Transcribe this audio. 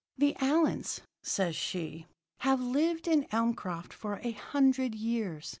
"'The Allyns,' says she, 'have lived in Elmcroft for a hundred years.